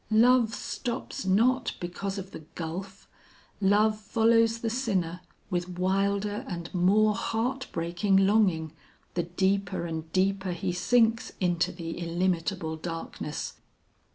Love stops not because of the gulf; love follows the sinner with wilder and more heart breaking longing, the deeper and deeper he sinks into the illimitable darkness.